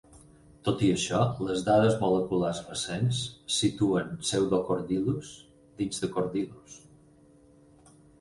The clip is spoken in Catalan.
Tot i això, les dades moleculars recents situen "Pseudocordylus" dins de "Cordylus".